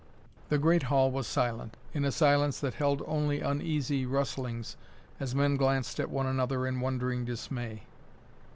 The great hall was silent, in a silence that held only uneasy rustlings as men glanced one at another in wondering dismay.